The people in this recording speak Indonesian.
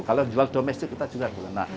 kalau jual domestik kita juga kena